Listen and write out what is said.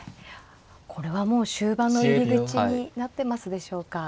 これはもう終盤の入り口になってますでしょうか。